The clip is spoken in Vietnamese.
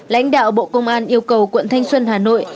lãnh đạo bộ công an yêu cầu quận thanh xuân hà nội